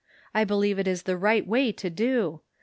I believe it is the right way to do.